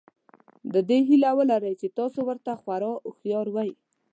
د دې هیله ولرئ چې تاسو ورته خورا هوښیار وئ.